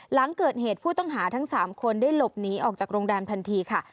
หลังเกิดเหตุผู้ต้องหาทั้ง๓คนได้หลบหนีออกจากโรงแรมทันทีค่ะ